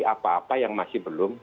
apa apa yang masih belum